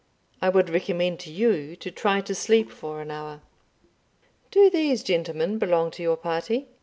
I would recommend to you to try to sleep for an hour. Do these gentlemen belong to your party?"